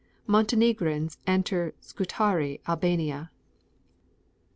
Montenegrins enter Scutari, Albania.